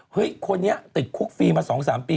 คนนี้ติดคุกฟรีมา๒๓ปี